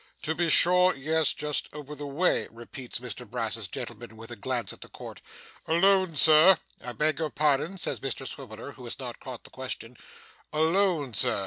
'To be sure. Yes. Just over the way,' repeats Mr Brass's gentleman, with a glance at the court. 'Alone, sir?' 'I beg your pardon,' says Mr Swiveller, who has not caught the question 'Alone, sir?